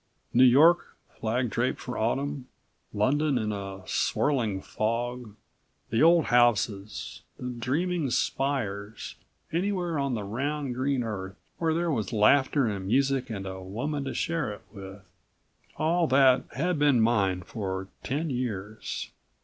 New York, flag draped for Autumn, London in a swirling fog, the old houses, the dreaming spires, anywhere on the round green Earth where there was laughter and music and a woman to share it with.... All that had been mine for ten years.